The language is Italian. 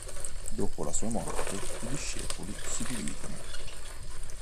Dopo la sua morte, i discepoli si dividono.